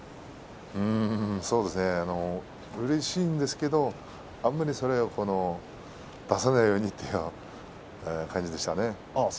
うれしいんですけどあんまりそれを出さないようにという感じでしたね。